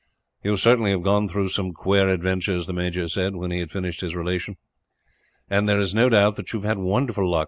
"You certainly have gone through some queer adventures," the major said, when he had finished his relation; "and there is no doubt that you have had wonderful luck.